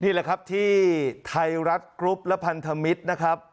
นี่แหละครับที่ไทยรัฐกรุ๊ปและพันธมิตรนะครับ